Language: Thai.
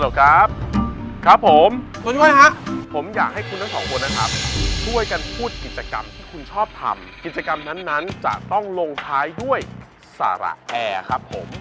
ครับครับผมคุณช่วยฮะผมอยากให้คุณทั้งสองคนนะครับช่วยกันพูดกิจกรรมที่คุณชอบทำกิจกรรมนั้นจะต้องลงท้ายด้วยสาระแอร์ครับผม